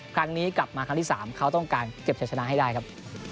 ครั้งนี้กลับมาครั้งที่๓เขาต้องการเก็บใช้ชนะให้ได้ครับ